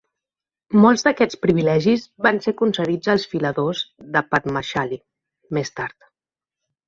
Molts d"aquests privilegis van ser concedits als filadors de "Padmashali" més tard.